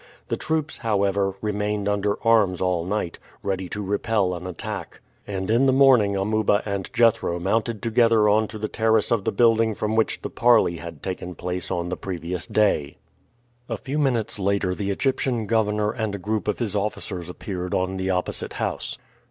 The troops, however, remained under arms all night, ready to repel an attack, and in the morning Amuba and Jethro mounted together on to the terrace of the building from which the parley had taken place on the previous day. A few minutes later the Egyptian governor and a group of his officers appeared on the opposite house.